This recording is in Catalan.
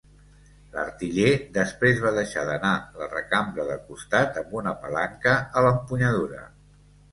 L'artiller després va deixar anar la recambra de costat amb una palanca a l'empunyadura.